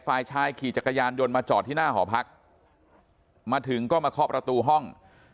ฝ่ายชายขี่จักรยานยนต์มาจอดที่หน้าหอพักมาถึงก็มาเคาะประตูห้อง